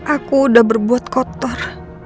aku udah berbuat kotor